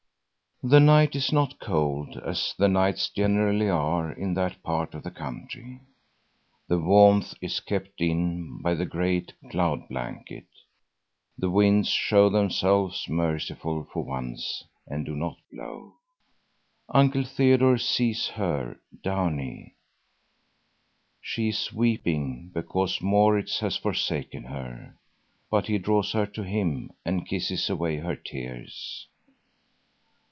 The night is not cold as the nights generally are in that part of the country. The warmth is kept in by the grey cloud blanket. The winds show themselves merciful for once and do not blow. Uncle Theodore sees her, Downie. She is weeping because Maurits has forsaken her. But he draws her to him and kisses away her tears.